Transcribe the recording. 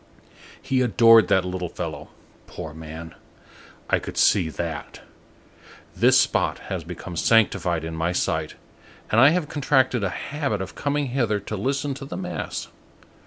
He adored that little fellow, poor man! I could see that. This spot has become sanctified in my sight, and I have contracted a habit of coming hither to listen to the mass.